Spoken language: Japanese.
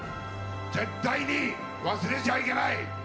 絶対に忘れちゃいけない。